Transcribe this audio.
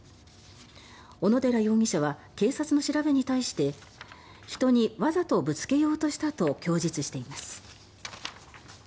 小野寺容疑者は警察の調べに対して人にわざとぶつけようとしたと供述しています。